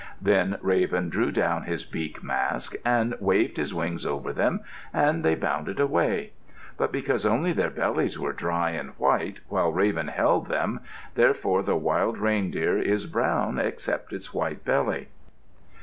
Then Raven drew down his beak mask, and waved his wings over them, and they bounded away. But because only their bellies were dry and white while Raven held them, therefore the wild reindeer is brown except its white belly.